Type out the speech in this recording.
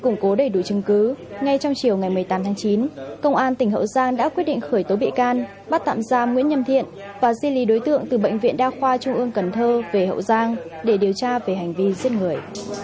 nguyễn nhâm thiện bắt tạm giam nguyễn nhâm thiện và di lý đối tượng từ bệnh viện đa khoa trung ương cần thơ về hậu giang để điều tra về hành vi giết người